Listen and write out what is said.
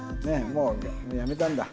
もうやめたんだ。